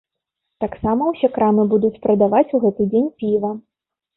Таксама ўсе крамы будуць прадаваць у гэты дзень піва.